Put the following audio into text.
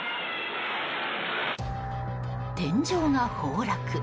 天井が崩落。